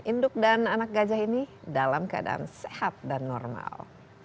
induk dan anak gajah ini dalam keadaan sehat dan normal